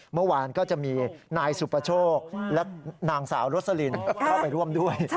เมื่อวานก็จะมีนายสุประโชคและนางสาวรสลินเข้าไปร่วมด้วย